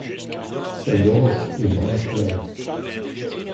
Sa gorge est brun clair.